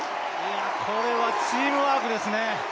これはチームワークですね。